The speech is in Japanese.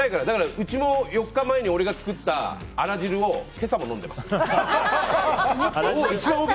だからうちも４日前に俺が作ったあら汁を今朝も飲んでいます。